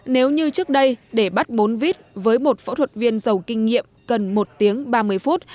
nếu như trước đây để bắt bốn vít với một phẫu thuật viên giàu kinh nghiệm cần một tiếng ba mươi phút